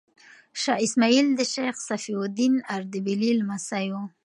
شاه اسماعیل د شیخ صفي الدین اردبیلي لمسی و.